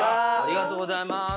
ありがとうございます。